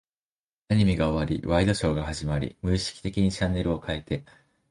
アニメが終わり、ワイドショーが始まり、無意識的にチャンネルを変えて、